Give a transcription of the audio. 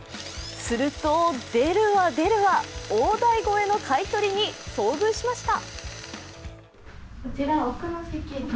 すると出るわ出るわ、大台超えの買い取りに遭遇しました。